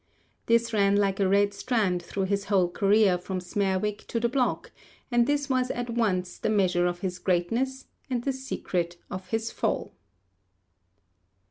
This ran like a red strand through his whole career from Smerwick to the block, and this was at once the measure of his greatness and the secret of his fall.